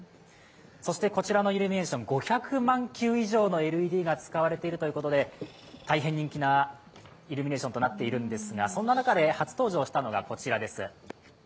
そして、こちらのイルミネーション５００万球以上のＬＥＤが使われているということで大変人気なイルミネーションとなっているんですが、そんな中で初登場したのがこちらです。